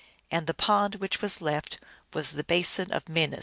And the pond which was left was the Basin of Minas.